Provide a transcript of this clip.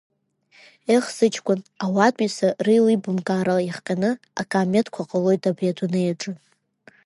Еҳ, сыҷкәын, ауаатәыҩса реилибамкаара иахҟьаны акаамеҭқәа ҟалалоит абри адунеи аҿы.